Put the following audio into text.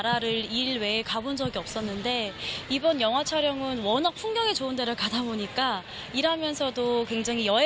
แล้วก็ขอบคุณแฟนคลับชาวไทยด้วย